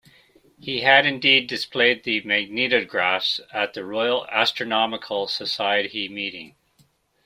He had indeed displayed the magnetographs at the Royal Astronomical Society meeting.